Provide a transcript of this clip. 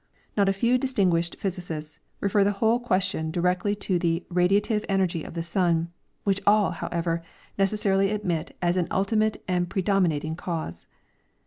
• Not a few distinguished pliA^sicists refer the whole question directly to the radiative energy of the sun, which all, however, necessarily admit as an ultimate and predominating cause.